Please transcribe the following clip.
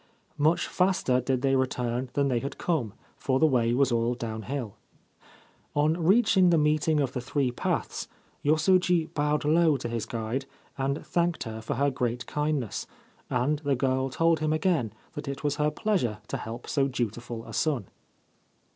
Much faster did they return than they had come, for the way was all downhill. On reaching the meeting of the three paths Yosoji bowed low to his guide, and thanked her for her great kindness ; and the girl told him again that it was her pleasure to help so dutiful a son.